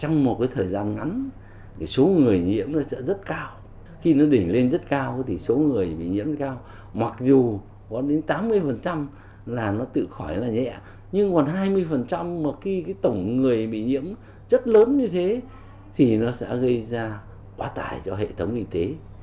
nhưng còn hai mươi mà cái tổng người bị nhiễm chất lớn như thế thì nó sẽ gây ra quá tải cho hệ thống y tế